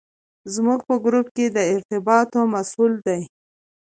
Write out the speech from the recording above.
زموږ په ګروپ کې د ارتباطاتو مسوول دی.